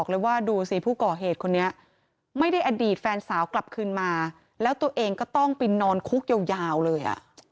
เราก็ได้รับผลประทบไปด้วยเนอะ